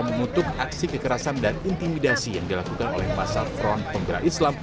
mengutuk aksi kekerasan dan intimidasi yang dilakukan oleh masa front pembela islam